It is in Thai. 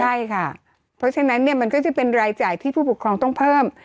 ใช่ค่ะเพราะฉะนั้นเนี่ยมันก็จะเป็นรายจ่ายที่ผู้ปกครองต้องเพิ่ม